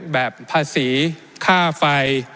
แบบภาษีค่าไฟ